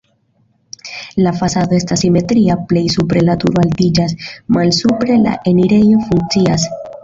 La fasado estas simetria, plej supre la turo altiĝas, malsupre la enirejo funkcias.